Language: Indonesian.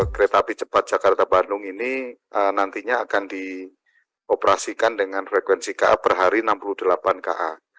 kereta api cepat jakarta bandung ini nantinya akan dioperasikan dengan frekuensi ka per hari enam puluh delapan ka